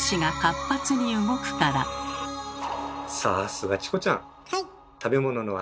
さっすがチコちゃん！